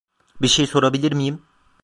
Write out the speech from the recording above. Bir şey sorabilir miyim?